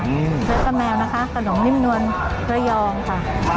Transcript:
เจ๊ป้าแมวนะคะขนมนิ่มนวลพระยองค่ะ